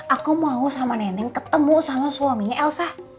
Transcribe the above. aku mau sama nenek ketemu sama suaminya elsa